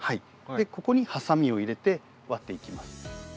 ここにハサミを入れて割っていきます。